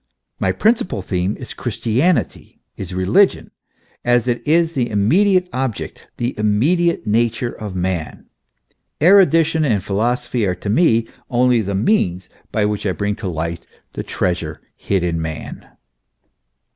My principal theme is Christianity, is Religion, as it is the immediate object, the immediate nature, of man. Erudi tion and philosophy are to me only the means by which I bring to light the treasure hid in man.